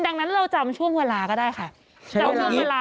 ดังนั้นเราจำช่วงเวลาก็ได้ค่ะ